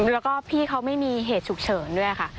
แล้วก็พี่เขาไม่มีเหตุฉุกเฉินด้วยค่ะ